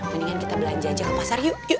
mendingan kita belanja ke pasar yuk